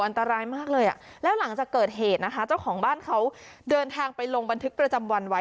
อันตรายมากเลยอ่ะแล้วหลังจากเกิดเหตุนะคะเจ้าของบ้านเขาเดินทางไปลงบันทึกประจำวันไว้